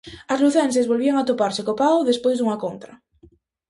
As lucenses volvían atoparse co pau despois dunha contra.